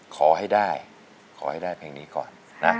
ขอให้ได้ขอให้ได้เพลงนี้ก่อนนะ